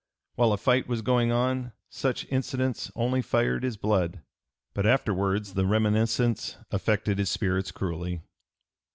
While a fight was going on such incidents only fired his blood, but afterwards the reminiscence affected his spirits cruelly.